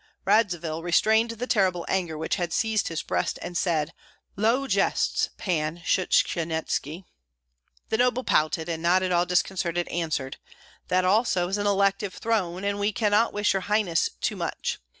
Radzivill restrained the terrible anger which had seized his breast and said, "Low jests, Pan Shchanyetski." The noble pouted, and not at all disconcerted answered: "That also is an elective throne, and we cannot wish your highness too much.